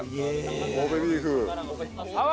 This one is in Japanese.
神戸ビーフ。